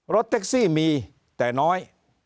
รถแท็กซี่มีแต่น้อย